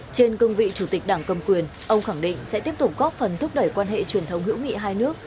trên cương vị chủ tịch đảng cầm quyền ông khẳng định sẽ tiếp tục góp phần thúc đẩy quan hệ truyền thống hữu nghị hai nước